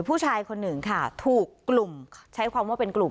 ผู้ชายคนหนึ่งค่ะถูกกลุ่มใช้ความว่าเป็นกลุ่ม